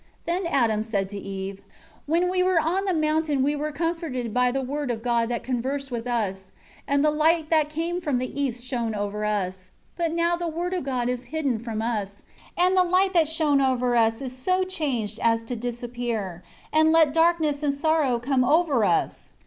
2 Then Adam said to Eve, "When we were on the mountain we were comforted by the Word of God that conversed with us; and the light that came from the east shown over us. 3 But now the Word of God is hidden from us; and the light that shown over us is so changed as to disappear, and let darkness and sorrow come over us.